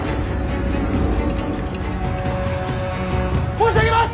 申し上げます！